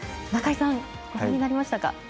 中井さん、ご覧になりましたか？